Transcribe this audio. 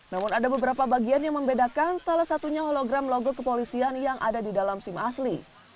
namun ada beberapa bagian yang membedakan salah satunya hologram logo kepolisian yang ada di dalam sim asli